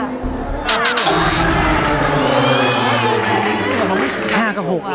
๕กับ๖เลย